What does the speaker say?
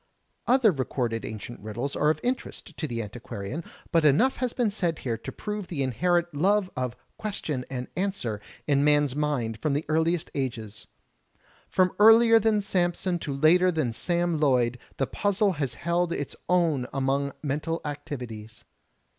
Other recorded ancient riddles are of interest to the anti quarian, but enough has been said here to prove the inherent love of Question and Answer in man's mind from the earliest ages. From earlier than Samson to later than Sam Loyd the puzzle has held its own among mental activities.